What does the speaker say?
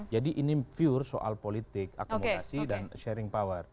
jadi ini infur soal politik akumulasi dan sharing power